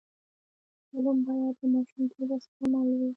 فلم باید له ماشومتوب سره مل وي